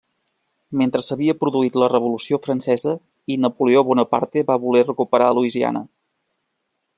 Mentre s'havia produït la Revolució Francesa i Napoleó Bonaparte va voler recuperar Louisiana.